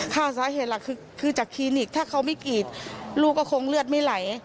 ค่ะสาเหตุหลักคือจากคลินิกถ้าเขาไม่กรีดลูกก็คงเลือดไม่ไหล